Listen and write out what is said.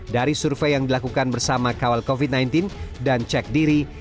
dari survei yang dilakukan bersama kawal covid sembilan belas dan cek diri